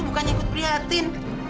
bukannya ikut prihatin